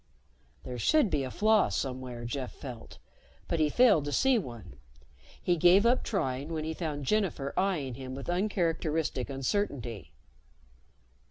There should be a flaw somewhere, Jeff felt, but he failed to see one. He gave up trying when he found Jennifer eying him with uncharacteristic uncertainty.